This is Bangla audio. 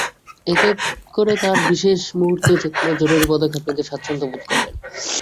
এতে করে তাঁরা বিশেষ মুহূর্তে যেকোনো জরুরি পদক্ষেপ নিতে স্বাচ্ছন্দ্য বোধ করবেন।